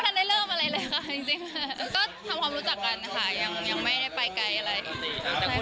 ก็ทำความรู้จักกันค่ะยังไม่ได้ไปไกลอะไร